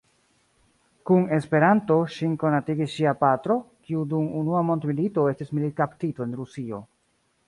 Kun Esperanto ŝin konatigis ŝia patro, kiu dum Unua mondmilito estis militkaptito en Rusio.